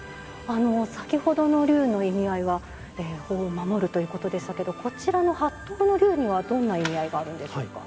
先ほどの龍の意味合いは礼法を守るということでしたけどこちらの法堂の龍にはどんな意味合いがあるんでしょうか？